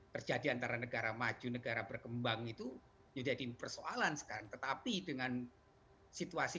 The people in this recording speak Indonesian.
terjadi antara negara maju negara berkembang itu menjadi persoalan sekarang tetapi dengan situasi